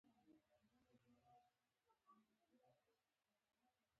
زه له تاسره مينه لرم